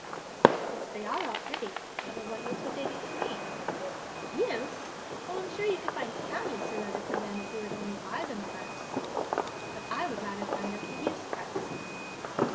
'Yes, they are all pretty; but of what use would they be to me?' 'Use! Oh, I'm sure you could find some use or other for them if you would only buy them first.' 'But I would rather find out the use first.'